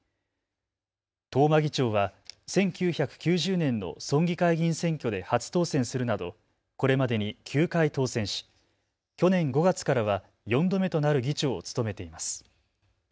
東間議長は１９９０年の村議会議員選挙で初当選するなどこれまでに９回当選し去年５月からは４度目となる議長を務めています。